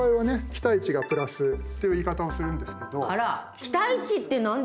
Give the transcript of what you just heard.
期待値がプラスという言い方をするんですけど。